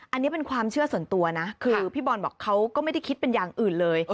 อันนี้เป็นความเชื่อส่วนตัวนะคือพี่บอลบอกเขาก็ไม่ได้คิดเป็นอย่างอื่นเลย